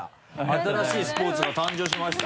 新しいスポーツが誕生しました。